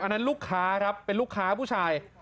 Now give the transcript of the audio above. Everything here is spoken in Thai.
นั้นลูกค้าครับเป็นลูกค้าผู้ชาย